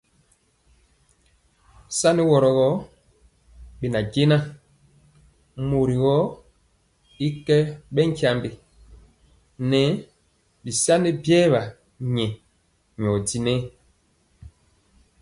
Sani woro gɔ binjɛnaŋ mori gɔ y kɛɛ bɛ tyiambe nɛ bisani biewa nyɛ dinɛ gɔ.